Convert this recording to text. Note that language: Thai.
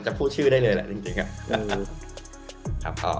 จะพูดชื่อได้เลยแหละจริง